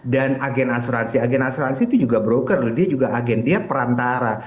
dan agen asuransi agen asuransi itu juga broker lho dia juga agen dia perantara